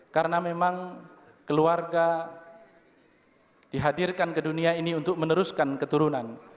karena memang keluarga dihadirkan ke dunia ini untuk meneruskan keturunan